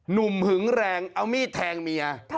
หนุ่มหึงแรงเอามีดแทงเมีย